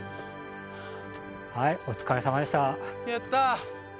はいお疲れさまでしたやった！